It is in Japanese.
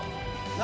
何？